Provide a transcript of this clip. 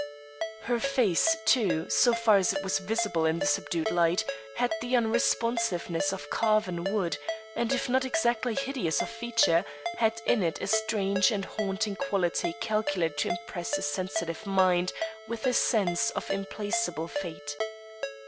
Her face, too, so far as it was visible in the subdued light, had the unresponsiveness of carven wood, and if not exactly hideous of feature, had in it a strange and haunting quality calculated to impress a sensitive mind with a sense of implacable fate.